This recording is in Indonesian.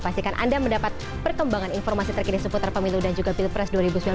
pastikan anda mendapat perkembangan informasi terkini seputar pemilu dan juga pilpres dua ribu sembilan belas